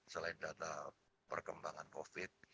selain data perkembangan covid sembilan belas